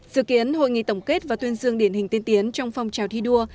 dự kiến hội nghị tổng kết và tuyên dương điển hình tiên tiến trong phong trào thi đua